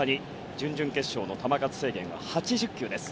準々決勝の球数制限は８０球です。